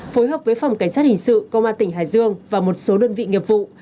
phối hợp với phòng cảnh sát hình sự công an tỉnh hải dương và một số đơn vị nghiệp vụ